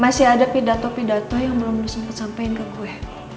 masih ada pidato pidato yang belum disampaikan ke gue